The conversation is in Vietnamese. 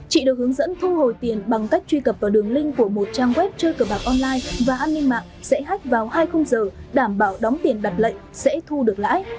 chị được hướng dẫn thu hồi tiền bằng cách truy cập vào đường link của một trang web chơi cờ bạc online và an ninh mạng sẽ hách vào hai khung giờ đảm bảo đóng tiền đặt lệnh sẽ thu được lãi